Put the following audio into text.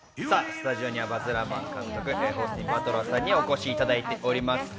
スタジオにはバズ・ラーマン監督、オースティン・バトラーさんにお越しいただいております。